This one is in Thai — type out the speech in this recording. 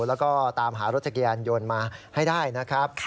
แล้วก็ตามหารถจักรยานยนต์มาให้ได้นะครับ